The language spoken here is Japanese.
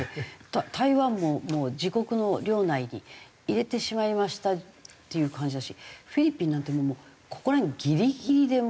台湾も自国の領内に入れてしまいましたっていう感じだしフィリピンなんてここら辺ギリギリでもう。